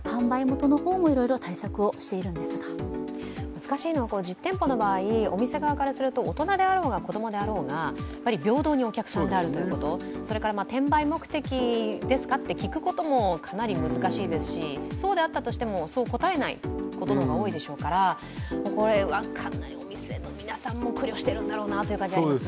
難しいのは実店舗の場合、お店側からすると大人であろうが子供であろうが平等にお客さんであること、それから転売目的ですかって聞くこともかなり難しいですし、そうであったとしても、そう答えないことの方が多いでしょうから、これはかなり皆さんも苦慮してるんだなと思います。